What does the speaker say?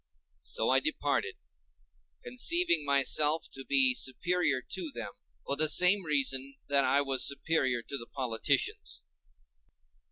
So I departed, conceiving myself to be superior to them for the same reason that I was superior to the politicians.